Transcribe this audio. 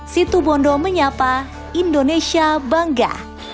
situbondo menyapa indonesia bangga